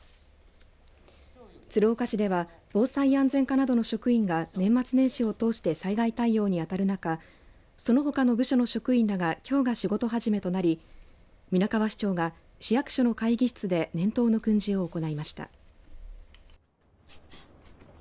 鶴岡市では防災安全課などの職員が年末年始をとおして災害対応に当たる中そのほかの部署の職員らがきょうが仕事始めとなり皆川市長が市役所の会議室で年頭の訓示を行いました。